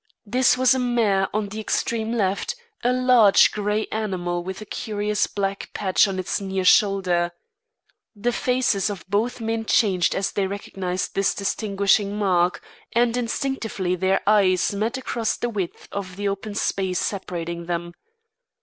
This was a mare on the extreme left, a large grey animal with a curious black patch on its near shoulder. The faces of both men changed as they recognised this distinguishing mark, and instinctively their eyes met across the width of the open space separating them.